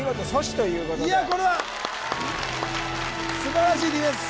いやこれは素晴らしいディフェンス